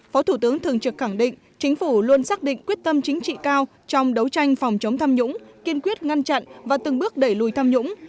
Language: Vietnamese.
phó thủ tướng thường trực khẳng định chính phủ luôn xác định quyết tâm chính trị cao trong đấu tranh phòng chống tham nhũng kiên quyết ngăn chặn và từng bước đẩy lùi tham nhũng